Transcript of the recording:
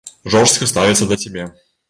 Жорстка ставіцца да цябе.